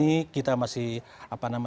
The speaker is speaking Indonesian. ini kita masih mengerti